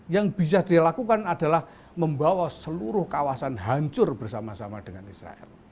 yang bisa dilakukan adalah membawa seluruh kawasan hancur bersama sama dengan israel